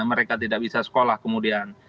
mereka tidak bisa sekolah kemudian